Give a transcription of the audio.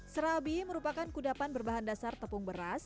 serabi merupakan kudapan berbahan dasar tepung beras